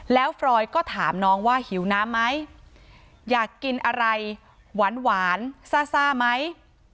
แล้วฟรอยก็ถามน้องว่าหิวน้ำไหมอยากกินอะไรหวานซ่าไหม